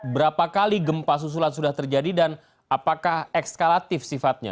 berapa kali gempa susulan sudah terjadi dan apakah ekskalatif sifatnya